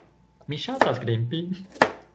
Mi ŝatas grimpi.